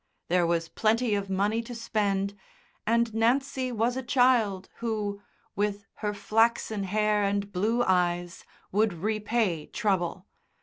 There was plenty of money to spend, and Nancy was a child who, with her flaxen hair and blue eyes, would repay trouble.